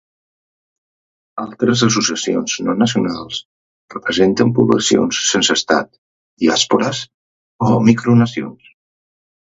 Altres associacions no nacionals representen poblacions sense estat, diàspores o micronacions.